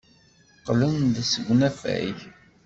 Qqlent-d seg unafag.